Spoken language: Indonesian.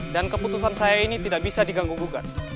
dan keputusan saya ini tidak bisa diganggu ganggu